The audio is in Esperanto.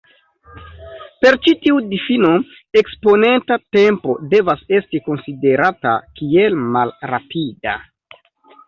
Per ĉi tiu difino, eksponenta tempo devas esti konsiderata kiel malrapida.